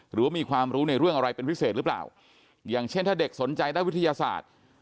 หรือว่ามีความรู้ในเรื่องอะไรเป็นพิเศษหรือเปล่าอย่างเช่นถ้าเด็กสนใจด้านวิทยาศาสตร์